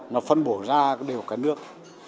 nó phân bổ ra đều cả nước